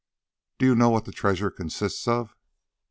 "Do you know what the treasure consists of?"